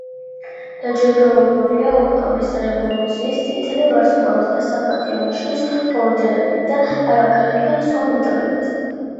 დაჯილდოებულია ოქტომბრის რევოლუციის, წითელი ვარსკვლავის და საპატიო ნიშნის ორდენებით და აგრეთვე სხვა მედლებით.